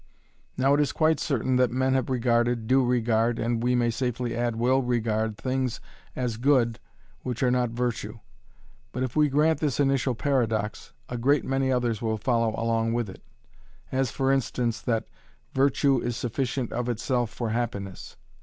Now it is quite certain that men have regarded, do regard, and, we may safely add will regard things as good which are not virtue. But if we grant this initial paradox, a great many others will follow along with it as for instance that "Virtue is sufficient of itself for happiness".